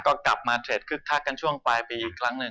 ก็กลับมาเทรดคึกคักกันช่วงปลายปีอีกครั้งหนึ่ง